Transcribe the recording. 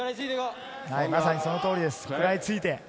まさにその通り、食らいついて。